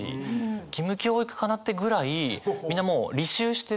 義務教育かな？っていうぐらいみんなもう履修してる。